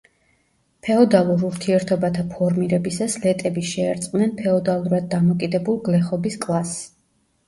ფეოდალურ ურთიერთობათა ფორმირებისას ლეტები შეერწყნენ ფეოდალურად დამოკიდებულ გლეხობის კლასს.